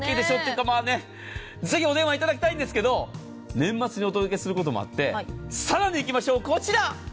ぜひ、お電話いただきたいんですが年末にお届けすることもあってさらにいきましょう、こちら。